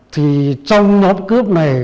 thì trong nhóm cướp này